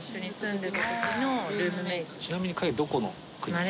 ちなみに海外どこの国？